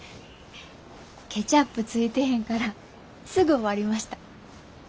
ケチャップついてへんからすぐ終わりました。